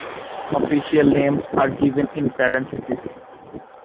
Official names are given in parentheses.